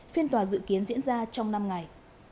phiên tòa dự kiến diễn ra trong năm ngày